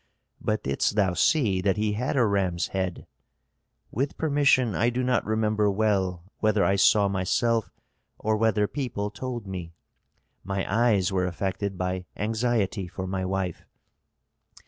"But didst thou see that he had a ram's head?" "With permission I do not remember well whether I saw myself or whether people told me. My eyes were affected by anxiety for my wife."